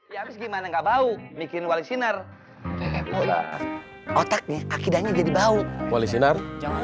ya gimana enggak bau bikin wali sinar otaknya akidanya jadi bau wali sinar